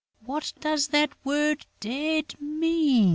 "What does that word 'dead' mean?"